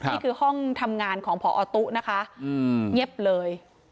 นี่คือห้องทำงานของพอตุ๊นะคะเงียบเลย